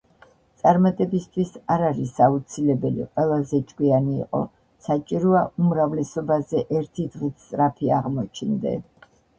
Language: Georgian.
წარმატებისთვის არ არის აუცილებელი ყველაზე ჭკვიანი იყო, საჭიროა, უმრავლესობაზე ერთი დღით სწრაფი აღმოჩნდე.